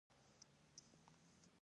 هیڅ مې نه خوښیږي، خو سفر یم ستړی کړی